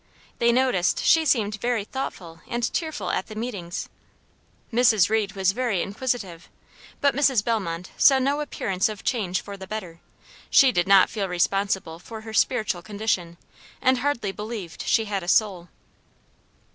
They noticed she seemed very thoughtful and tearful at the meetings. Mrs. Reed was very inquisitive; but Mrs. Bellmont saw no appearance of change for the better. She did not feel responsible for her spiritual culture, and hardly believed she had a soul.